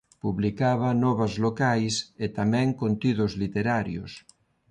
Publicaba novas locais e tamén contidos literarios.